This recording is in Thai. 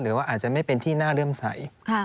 หรือว่าอาจจะไม่เป็นที่น่าเริ่มใส